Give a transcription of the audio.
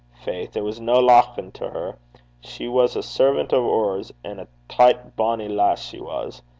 Faith! it was no lauchin' to her. She was a servan' o' oors, an' a ticht bonnie lass she was.